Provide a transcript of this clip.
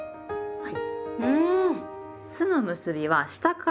はい。